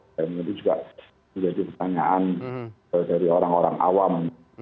dan itu juga menjadi pertanyaan dari orang orang awam